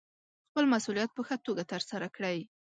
خپل مسوولیت په ښه توګه ترسره کړئ.